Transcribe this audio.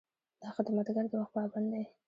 دا خدمتګر د وخت پابند دی.